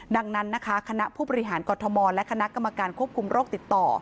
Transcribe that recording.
ดังนั้นนะคะคณะผู้บริหารกรทมและคณะกรรมการควบคุมโรคติดต่อ